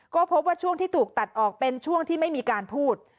ก็พบว่าช่วงที่ถูกตัดออกเป็นช่วงที่ไม่มีการพูด